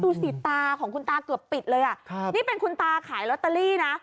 ดูสิตาของคุณตาเกือบปิดเลยอ่ะครับนี่เป็นคุณตาขายลอตเตอรี่นะ